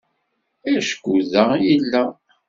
Acku da i yella.